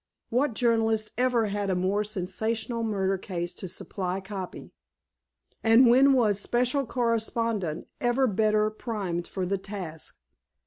What journalist ever had a more sensational murder case to supply "copy"? And when was "special correspondent" ever better primed for the task?